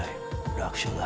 楽勝だ。